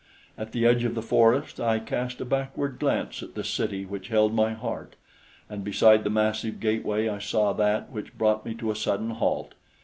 At the edge of the forest I cast a backward glance at the city which held my heart, and beside the massive gateway I saw that which brought me to a sudden halt.